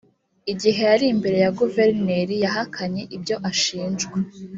igihe yari imbere ya guverineri yahakanye ibyo ashijwa